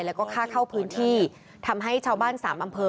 แล้วก็ค่าเข้าพื้นที่ทำให้ชาวบ้านสามอำเภอ